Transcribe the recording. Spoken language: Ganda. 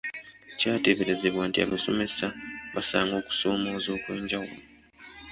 Kyateeberezebwa nti abasomesa basanga okusoomooza okw’enjawulo.